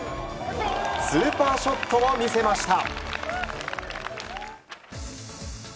スーパーショットを見せました。